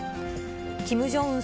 キム・ジョンウン